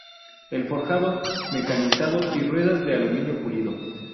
El forjado, mecanizado y ruedas de aluminio pulido.